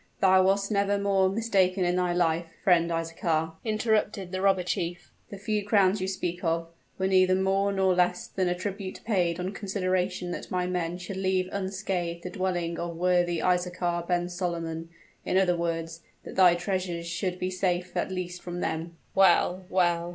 thou wast never more mistaken in thy life, friend Isaachar!" interrupted the robber chief. "The few crowns you speak of, were neither more nor less than a tribute paid on consideration that my men should leave unscathed the dwelling of worthy Isaachar ben Solomon: in other words, that thy treasures should be safe at least from them." "Well well!